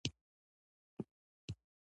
خاموش په تلویزیون بوخت کړی و.